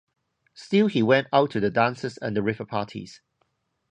Still he went out to the dances and the river parties.